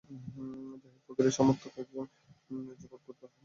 জাহিদ ফকিরের সমর্থক কয়েকজন যুবক বুধবার সকালে সেখানে বাধার সৃষ্টি করেন।